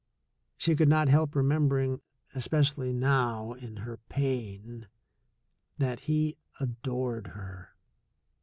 She could not help remembering, especially now in her pain, that he adored her.